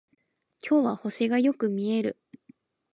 今日は星がよく見える